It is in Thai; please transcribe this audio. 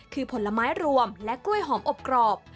คือผลไม้รวมและกล้วยหอมอบกรอบ